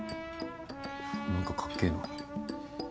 何かかっけえな。